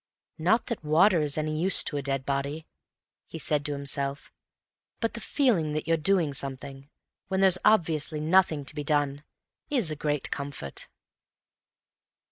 "Not that water is any use to a dead body," he said to himself, "but the feeling that you're doing something, when there's obviously nothing to be done, is a great comfort."